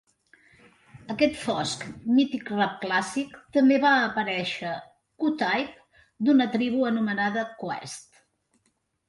Aquest fosc, mític rap clàssic també va aparèixer Q-tip d'una tribu anomenada Quest.